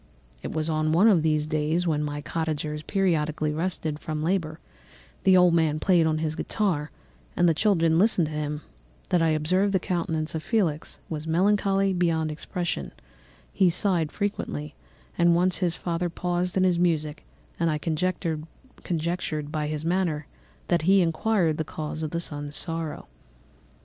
"It was on one of these days, when my cottagers periodically rested from labour—the old man played on his guitar, and the children listened to him—that I observed the countenance of Felix was melancholy beyond expression; he sighed frequently, and once his father paused in his music, and I conjectured by his manner that he inquired the cause of his son's sorrow.